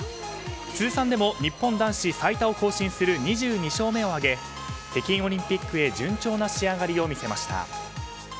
通算でも日本男子最多を更新する２２勝目を挙げ北京オリンピックへ順調な仕上がりを見せました。